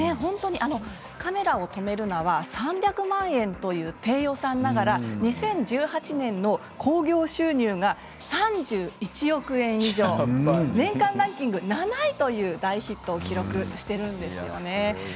「カメラを止めるな！」は３００万円という低予算ながら２０１８年の興行収入は３１億円以上、年間ランキング７位という大ヒットを記録しています。